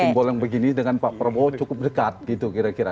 simbol yang begini dengan pak prabowo cukup dekat gitu kira kira